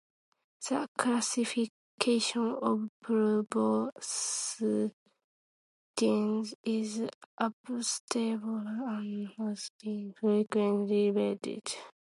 The classification of proboscideans is unstable and has been frequently revised.